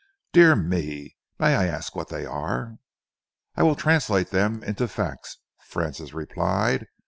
"Dear me! May I ask what they are?" "I will translate them into facts," Francis replied.